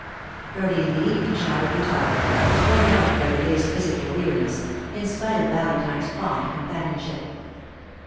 Early in the evening Charlotte retired, worn out by the day's physical weariness, in spite of Valentine's fond companionship.